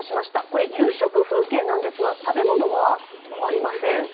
これ、夕食風景なんですが、食べ物はありません。